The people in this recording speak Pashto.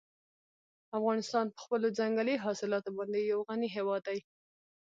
افغانستان په خپلو ځنګلي حاصلاتو باندې یو غني هېواد دی.